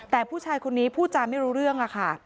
แต่ผู้ชายคนนี้พูดจาไม่รู้เรื่องค่ะ